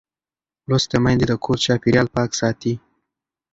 لوستې میندې د کور چاپېریال پاک ساتي.